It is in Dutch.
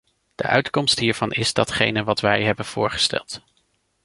De uitkomst hiervan is datgene wat wij hebben voorgesteld.